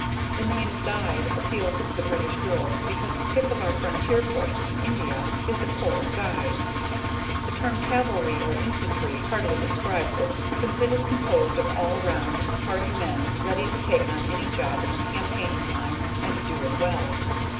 The name Guide appealed to the British girls because the pick of our frontier forces in India is the Corps of Guides. The term cavalry or infantry hardly describes it since it is composed of all round handy men ready to take on any job in the campaigning line and do it well.